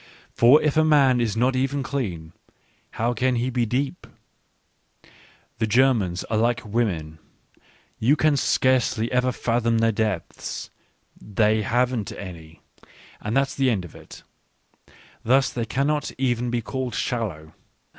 ... For if a man is not even clean, how can he be deep ? The Germans are like women, you can scarcely ever fathom their depths — they haven't any, and that's the end of it. Thus they cannot even be called shallow.